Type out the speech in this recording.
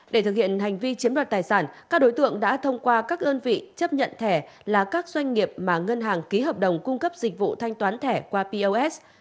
để thực hiện hành vi chiếm đoạt tài sản các đối tượng đã thông qua các đơn vị chấp nhận thẻ là các doanh nghiệp mà ngân hàng ký hợp đồng cung cấp dịch vụ thanh toán thẻ qua pos